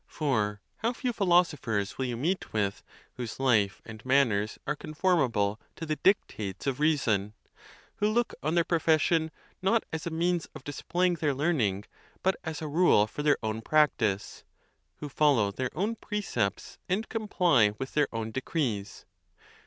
For how few philosophers will you meet with whose life and manners are conformable to the dictates of reason! who look on their profession, not. as a means of displaying their learn ing, but as a rule for their own practice! who follow their _ own precepts, and comply with their own decrees!